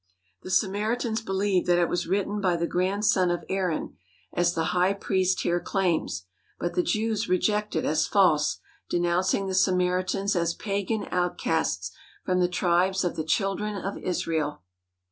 The Samaritans believe that it was written by the grand son of Aaron, as the high priest here claims; but the Jews reject it as false, denouncing the Samaritans as pagan out casts from the tribes of the Children of Israel.